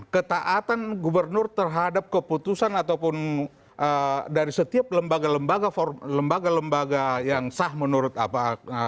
ketaatan gubernur terhadap keputusan ataupun dari setiap lembaga lembaga yang sah menurut apa